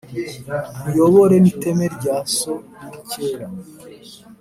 nkuyobore n'iteme rya so riri kera,